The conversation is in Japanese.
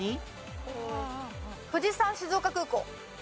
富士山静岡空港。